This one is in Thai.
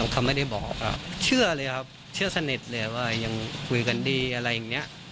เขาไม่ได้บอกครับเชื่อเลยครับเชื่อสนิทเลยว่ายังคุยกันดีอะไรอย่างนี้